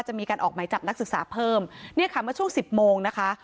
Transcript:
จะมีการออกหมายจับนักศึกษาเพิ่มเนี่ยค่ะเมื่อช่วงสิบโมงนะคะ